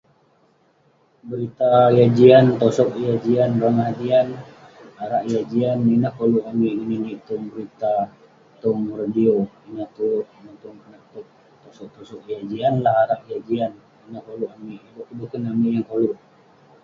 Berita yah jian, tosog yah jian, rongah jian, arak yah jian ; ineh koluk amik ngeninik tong berita, tong radio. Ineh tue, konak tog tosog tosog yah jian lah, arak yah jian. Ineh koluk amik, yah boken boken ineh amik yeng koluk.